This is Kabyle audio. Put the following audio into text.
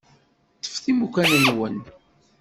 Ṭṭfet imukan-nwen.